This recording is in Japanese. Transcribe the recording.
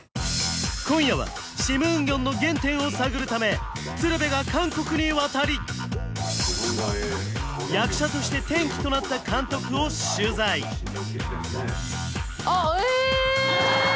今夜はシム・ウンギョンの原点を探るため鶴瓶が韓国に渡り役者として転機となった監督を取材あっえ！